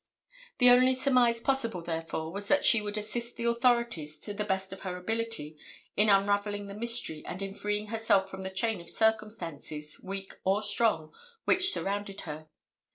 The only surmise possible, therefore, was that she would assist the authorities to the best of her ability in unravelling the mystery and in freeing herself from the chain of circumstances, weak or strong, which surrounded her.